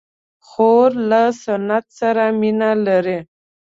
خور له سنت سره مینه لري.